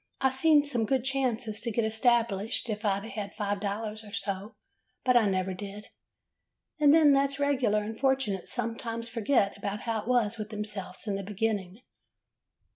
I see some good chances to get established if I 'd had five dollars or so, but I never did. And them that 's regular and fortunate sometimes forget how it was with themselves in the beginning.